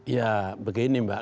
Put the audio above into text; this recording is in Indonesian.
ya begini mbak